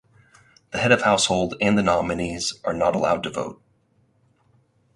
The Head of Household and the nominees are not allowed to vote.